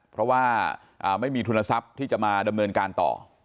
เพราะว่าไม่มีทุนทรัพย์ที่จะมาดำเนินการต่อ